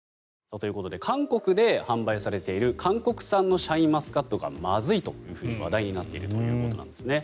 ということで韓国で販売されている韓国産のシャインマスカットがまずいと話題になっているということなんですね。